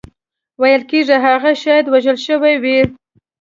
ویل کېږي هغه شاید وژل شوی وي.